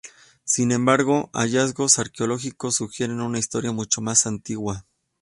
Sin embargo, hallazgos arqueológicos sugieren una historia mucho más antigua.